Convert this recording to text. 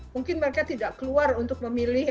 mungkin mereka tidak keluar untuk memilih